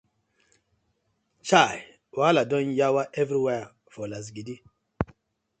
Chei, wahala don yawa everywhere for lasgidi.